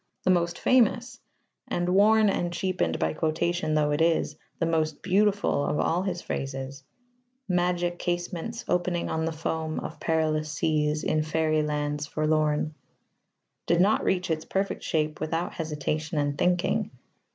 The most famous and, worn and cheapened by quotation though it is, the most beautiful of all his phrases magic casements, opening on the foam Of perilous seas, in faery lands forlorn did not reach its perfect shape without hesitation and thinking.